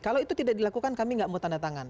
kalau itu tidak dilakukan kami nggak mau tanda tangan